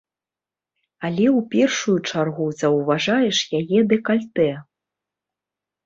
Але ў першую чаргу заўважаеш яе дэкальтэ.